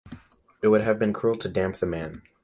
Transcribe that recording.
It would have been cruel to damp the man.